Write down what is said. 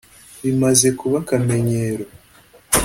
bimaze kuba akamenyero